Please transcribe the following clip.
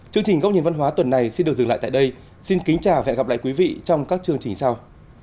chương trình góc nhìn văn hóa tuần này xin được dừng lại tại đây xin kính chào và hẹn gặp lại quý vị trong các chương trình sau